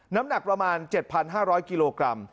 น้ำหนักประมาณ๗๕๐๐กิโลกรัม